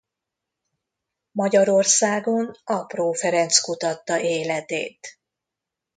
Magyarországon Apró Ferenc kutatta életét.